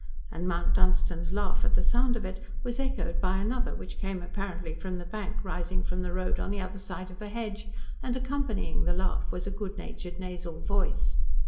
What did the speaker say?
And Mount Dunstan's laugh at the sound of it was echoed by another which came apparently from the bank rising from the road on the other side of the hedge, and accompanying the laugh was a good natured nasal voice.